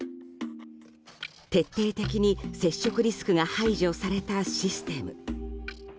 徹底的に接触リスクが排除されたシステム。